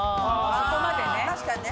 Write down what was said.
そこまでね。